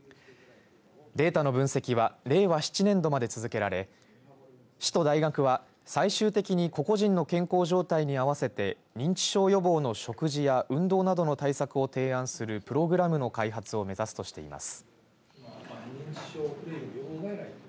データの分析は令和７年度まで続けられ市と大学は、最終的に個々人の健康状態に合わせて認知症予防の食事や運動などの対策を提案するプログラムの開発を目指すとしています。